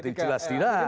ya jelas tidak